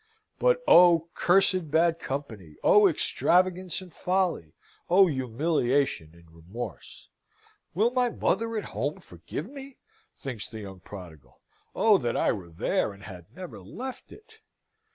But, O cursed bad company! O extravagance and folly! O humiliation and remorse! "Will my mother at home forgive me?" thinks the young prodigal. "Oh, that I were there, and had never left it!"